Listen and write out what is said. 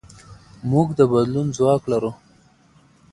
موږ د بدلون ځواک لرو.